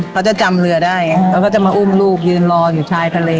เขาจะจำเรือได้ไงเขาก็จะมาอุ้มลูกยืนรออยู่ชายทะเล